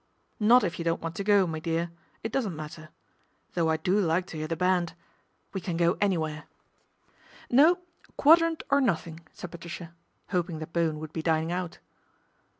" Not if you don't want to go, me dear, it doesn't matter. Though I do like to 'ear the band. We can go anywhere." 154 PATRICIA BRENT, SPINSTER " No, Quadrant or nothing," said Patricia, hoping that Bowen would be dining out.